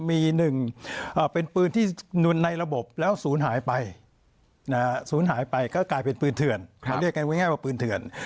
เราเรียกกันว่าง่ายว่าปืนเถื่อน